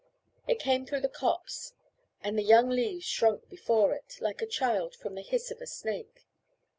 It came through the copse, and the young leaves shrunk before it, like a child from the hiss of a snake.